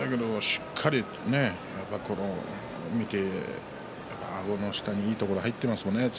しっかり見てあごの下いいところに突きが入っていますからね。